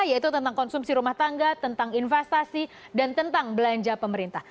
yaitu tentang konsumsi rumah tangga tentang investasi dan tentang belanja pemerintah